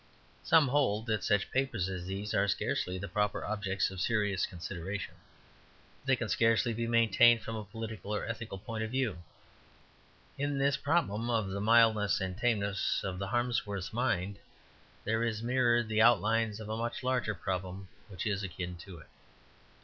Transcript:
Some hold that such papers as these are scarcely the proper objects of so serious a consideration; but that can scarcely be maintained from a political or ethical point of view. In this problem of the mildness and tameness of the Harmsworth mind there is mirrored the outlines of a much larger problem which is akin to it.